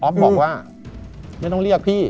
บอกว่าไม่ต้องเรียกพี่